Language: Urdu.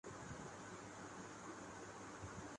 ہانگ کانگ نے بھارت کے خلاف تاریخ رقم کردی